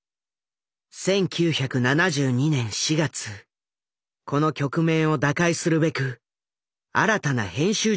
１９７２年４月この局面を打開するべく新たな編集長が就任する。